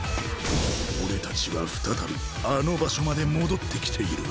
俺たちは再びあの場所まで戻ってきている。